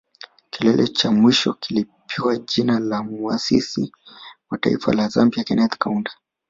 Kilele cha mwisho kilipewa jina la Muasisi wa Taifa la Zambia Kenneth Kaunda